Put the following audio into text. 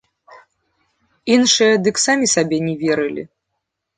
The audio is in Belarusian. Іншыя дык самі сабе не верылі.